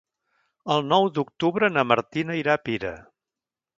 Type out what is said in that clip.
El nou d'octubre na Martina irà a Pira.